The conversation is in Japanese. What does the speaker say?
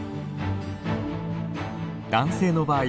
男性の場合